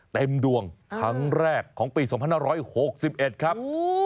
เต็มดวงครั้งแรกของปี๒๕๖๑ครับ